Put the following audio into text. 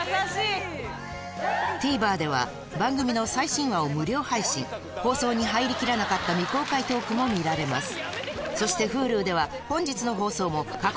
ＴＶｅｒでは番組の最新話を無料配信放送に入りきらなかった未公開トークも見られます